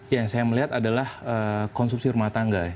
yang saya melihat adalah konsumsi rumah tangga ya